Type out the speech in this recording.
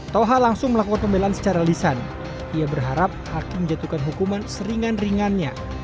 toha langsung melakukan pembelaan secara lisan ia berharap hakim jatuhkan hukuman seringan ringannya